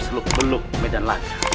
seluk beluk medan laga